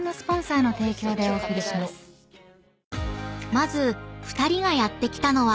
［まず２人がやって来たのは］